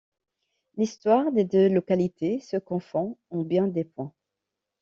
L'histoire des deux localités se confond en bien des points.